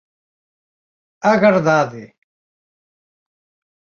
Agardade!